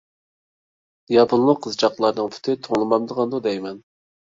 ياپونلۇق قىزچاقلارنىڭ پۇتى توڭلىمامدىغاندۇ دەيمەن.